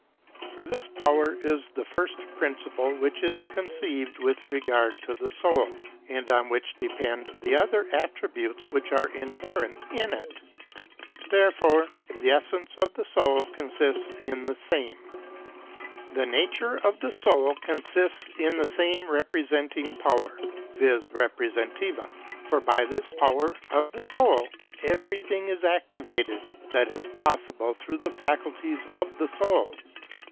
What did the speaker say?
For this power is the first principle which is conceived with regard to the soul, and on which depend the other attributes which are inherent in it (§ 65). Therefore the essence of the soul consists in the same (§ 16S, Ontol.). § 67. The nature of the soul consists in the same re presenting power {vis reprcesentiva) . For by this power of the soul every thing is activated that is possible through the faculties of the soul.